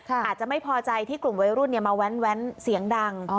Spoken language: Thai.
อาจจะไม่พอใจที่กลุ่มวัยรุ่นมาแว้นเสียงดัง